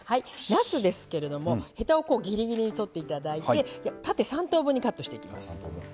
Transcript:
なすですけれどもヘタをぎりぎりに取っていただいて縦３等分にカットしていきます。